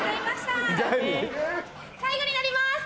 最後になります！